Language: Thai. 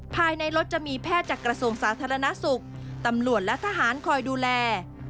ภายในรถจะมีแพทย์จากกระทรวงสาธารณสุขตำรวจและทหารคอยดูแล